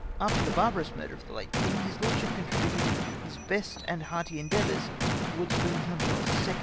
After the barbarous murder of the late Mng, his lordship contributed his best and hearty endeavours towards bringing home Charles II.